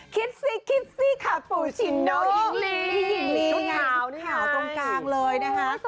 คิดสิคิดสิคาปูชิโนหญิงลี่หญิงลี่ต้นขาวตรงกลางเลยนะฮะ